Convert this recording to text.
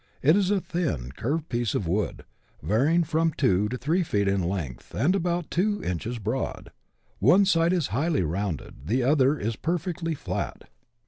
It is a thin curved piece of wood, varying from two to three feet in length, and about two inches broad ; one side is slightly rounded, the other is perfectly flat.